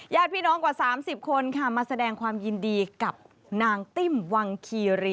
พี่น้องกว่า๓๐คนค่ะมาแสดงความยินดีกับนางติ้มวังคีรี